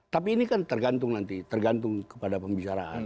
tapi ini kan tergantung nanti tergantung kepada pembicaraan